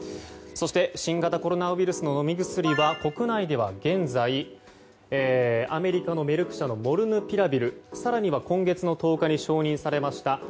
そして新型コロナウイルスの飲み薬は国内では現在、アメリカのメルク社のモルヌピラビル更には今月の１０日に承認されました